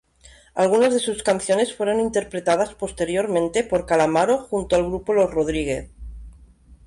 Algunas de sus canciones fueron interpretadas posteriormente por Calamaro junto al grupo Los Rodríguez.